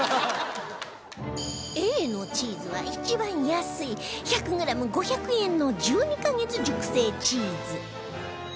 Ａ のチーズは一番安い１００グラム５００円の１２カ月熟成チーズ